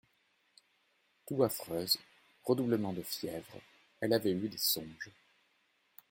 Toux affreuse, redoublement de fièvre ; elle avait eu des songes.